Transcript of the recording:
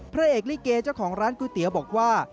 พระเอกลิเกเจ้าของร้านก๋วยเตี๋ยวบอกว่า